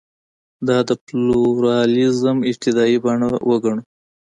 دا د پلورالېزم ابتدايي بڼه وګڼو.